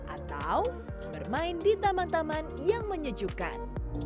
atau bermain di taman taman yang menyejukkan